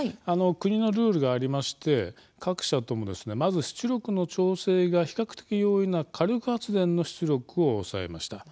国のルールがありまして各社ともまず出力の調整が比較的容易な火力発電の出力を抑えました。